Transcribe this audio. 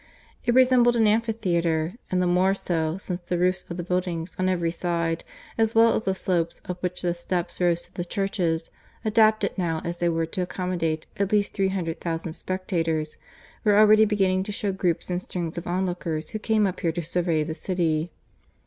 It resembled an amphitheatre, and the more so, since the roofs of the buildings on every side, as well as the slope up which the steps rose to the churches, adapted now as they were to accommodate at least three hundred thousand spectators, were already beginning to show groups and strings of onlookers who came up here to survey the city.